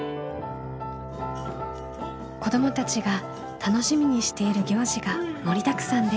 子どもたちが楽しみにしている行事が盛りだくさんです。